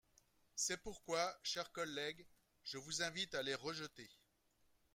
C’est pourquoi, chers collègues, je vous invite à les rejeter.